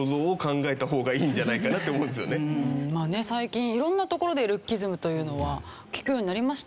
まあね最近色んなところでルッキズムというのは聞くようになりましたよね。